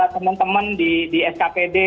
teman teman di skpd